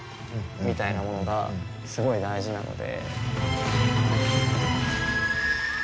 みたいなものがすごい大事なので。